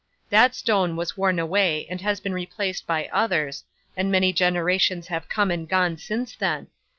'That stone has worn away and been replaced by others, and many generations have come and gone since then.